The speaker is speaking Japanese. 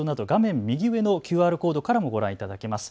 右上のＱＲコードからもご覧いただけます。